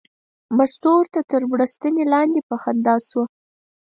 مستو ورته تر بړستنې لاندې په خندا شوه.